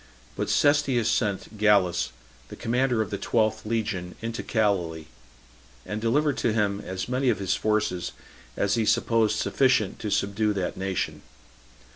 11. But Cestius sent Gallus, the commander of the twelfth legion, into Galilee, and delivered to him as many of his forces as he supposed sufficient to subdue that nation.